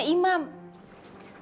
dia memang kekasihnya